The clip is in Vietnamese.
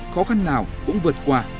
khó khăn nào cũng vượt qua